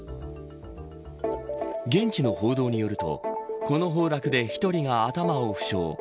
現地の報道によるとこの崩落で１人が頭を負傷。